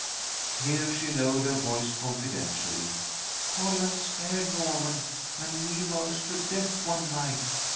Here she lowered her voice confidentially. "Holland scared Norman and me most to death one night.